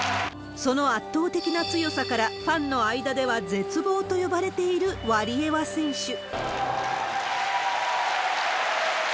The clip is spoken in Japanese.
その圧倒的な強さから、ファンの間では絶望と呼ばれているワリエワ選手。